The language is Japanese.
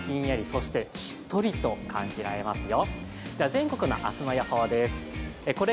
そして、しっとりと感じられますよ。